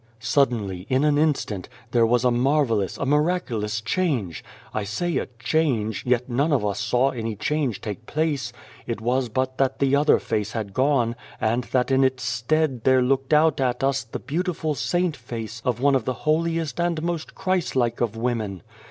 " Suddenly, in an instant, there was a marvellous, a miraculous change. I say a 4 change,' yet none of us saw any change take place. It was but that the other face had gone, and that in its stead there looked out 126 Beyond the Door at us the beautiful saint face of one of the holiest and most Christ like of women.